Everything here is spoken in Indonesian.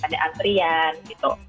ada antrian gitu